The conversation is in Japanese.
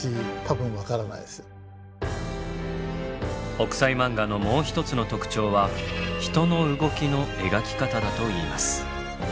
「北斎漫画」のもう一つの特徴は人の動きの描き方だといいます。